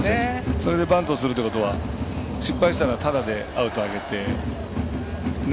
それでバントをするということは失敗したらただでアウトあげてね。